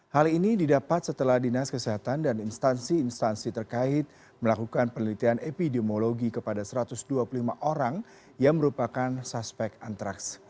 hal ini didapat setelah dinas kesehatan dan instansi instansi terkait melakukan penelitian epidemiologi kepada satu ratus dua puluh lima orang yang merupakan suspek antraks